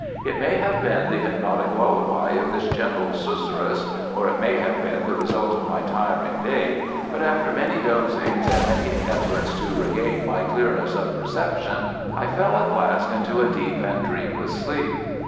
It may have been the hypnotic lullaby of this gentle susurrus, or it may have been the result of my tiring day, but after many dozings and many efforts to regain my clearness of perception, I fell at last into a deep and dreamless sleep.